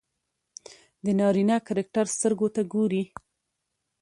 د نارينه کرکټر سترګو ته ګوري